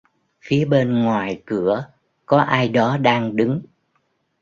Phía bên ngoài cửa có ai đó đang đứng